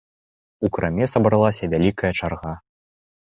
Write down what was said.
У краме сабралася вялікая чарга.